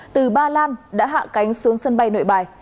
từ ba lan đã hạ cánh xuống sân bay nội bài